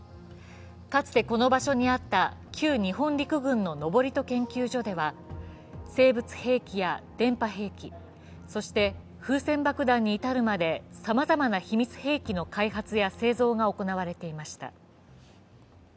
かつてこの場所にあった旧日本陸軍の登戸研究所資料館では生物兵器や電波兵器、そして風船爆弾に至るまでさまざまな秘密兵器の開発や製造が行われていました。